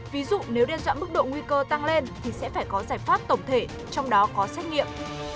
ví dụ nếu đe dọa mức độ nguy cơ tăng lên thì sẽ phải có giải pháp tổng thể trong đó có xét nghiệm